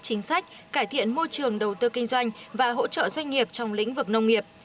chính sách cải thiện môi trường đầu tư kinh doanh và hỗ trợ doanh nghiệp trong lĩnh vực nông nghiệp